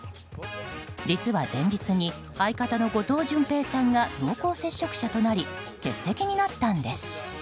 実は前日に相方の後藤淳平さんが濃厚接触者となり欠席になったんです。